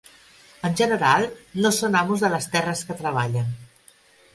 En general no són amos de les terres que treballen.